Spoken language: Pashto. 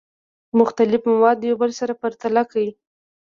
مختلف مواد یو بل سره پرتله کړئ.